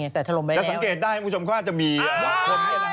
จะสังเกตได้มุชวันคนเลย